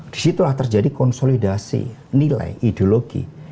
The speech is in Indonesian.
disitulah terjadi konsolidasi nilai ideologi